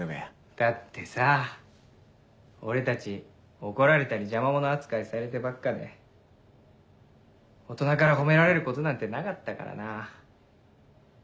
だってさ俺たち怒られたり邪魔者扱いされてばっかで大人から褒められることなんてなかったからな。